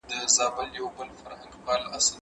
کتابونه د دوی د ژوند محور دي.